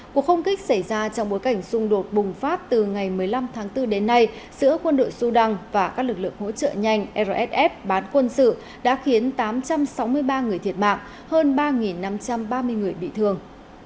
cuộc không kích xảy ra trong bối cảnh xung đột bùng phát từ ngày một mươi năm tháng bốn đến nay giữa quân đội sudan và các lực lượng hỗ trợ nhanh rsf bán quân sự đã khiến tám trăm sáu mươi ba người thiệt mạng hơn ba năm trăm ba mươi người bị thương